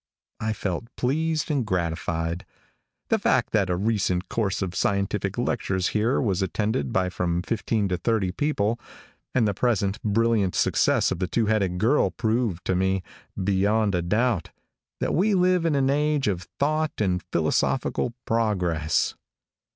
I felt pleased and gratified. The fact that a recent course of scientific lectures here was attended by from fifteen to thirty people, and the present brilliant success of the two headed girl proved to me, beyond a doubt, that we live in an age of thought and philosophical progress.